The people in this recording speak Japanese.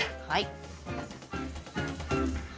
はい。